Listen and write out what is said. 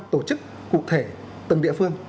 tổ chức cụ thể từng địa phương